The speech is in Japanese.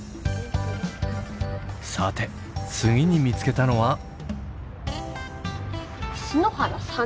さて次に見つけたのは。